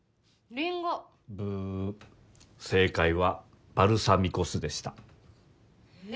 正解はバルサミコ酢でした。え！？